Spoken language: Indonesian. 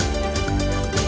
teganya teganya teganya